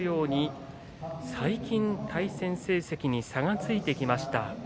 最近、対戦成績に差がついてきました。